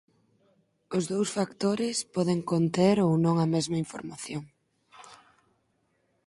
Os dous factores poden conter ou non a mesma información.